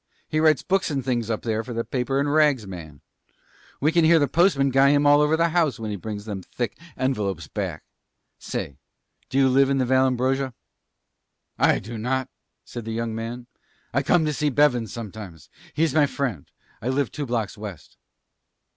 "He writes books and things up there for the paper and rags man. We can hear the postman guy him all over the house when he brings them thick envelopes back. Say do you live in the Vallambrosa?" "I do not," said the young man. "I come to see Bevens sometimes. He's my friend. I live two blocks west."